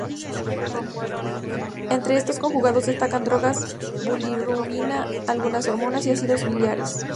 Entre estos conjugados destacan drogas, bilirrubina, algunas hormonas y ácidos biliares.